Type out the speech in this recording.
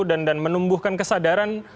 dan menumbuhkan kesadaran